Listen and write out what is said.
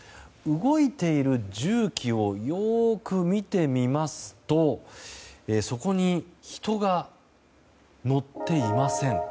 動いている重機をよく見てみますとそこに人が乗っていません。